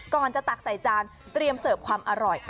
ก่อนจะตักใส่จานเตรียมเสิร์ฟความอร่อย